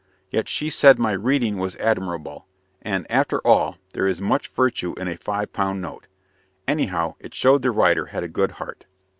Yet she said my reading was admirable; and, after all, there is much virtue in a five pound note. Anyhow, it showed the writer had a good heart."